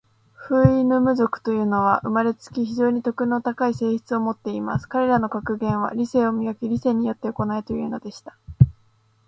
フウイヌム族というのは、生れつき、非常に徳の高い性質を持っています。彼等の格言は、『理性を磨け。理性によって行え。』というのでした。